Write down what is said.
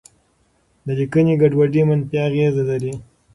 د لیکنې ګډوډي منفي اغېزه لري.